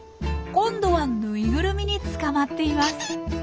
今度はぬいぐるみにつかまっています。